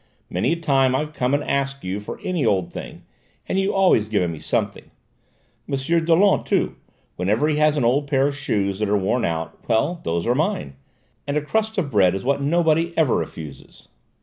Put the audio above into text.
Many a time I've come and asked you for any old thing, and you've always given me something. M'sieu Dollon, too: whenever he has an old pair of shoes that are worn out, well, those are mine; and a crust of bread is what nobody ever refuses."